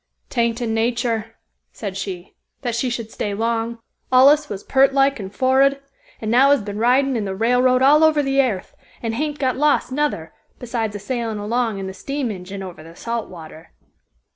"'Tain't in natur," said she, "that she should stay long. Allus was peart like and forrud, and now has been ridin' in the railroad all over the airth, and hain't got lost nuther, besides a sailin' along in the steam engine over the salt water."